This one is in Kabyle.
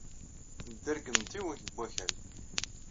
Nedder deg umtiweg n Wakal.